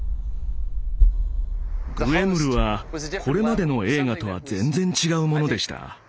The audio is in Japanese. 「グエムル」はこれまでの映画とは全然違うものでした。